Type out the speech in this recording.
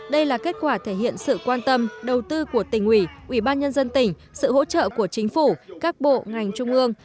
đây là kết quả thể hiện sự quan tâm đầu tư của tỉnh ủy ủy ban nhân dân tỉnh sự hỗ trợ của chính phủ các bộ ngành trung ương